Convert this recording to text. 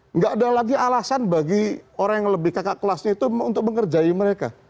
nggak ada lagi alasan bagi orang yang lebih kakak kelasnya itu untuk mengerjai mereka